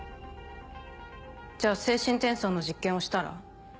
じゃあ精神転送の実験をしたら。